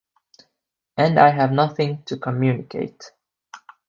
And I have nothing to communicate.